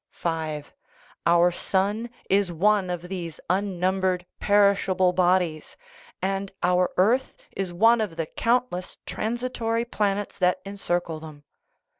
(5) Our sun is one of these unnumbered perishable bodies, and our earth is one of the countless transitory planets that encircle them.